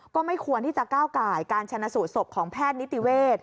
ก็ไม่ควรที่จะก้าวไก่การชนะสูตรศพของแพทย์นิติเวศ